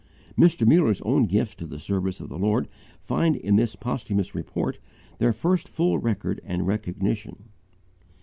Mr. Muller's own gifts to the service of the Lord find in this posthumous report their first full record and recognition.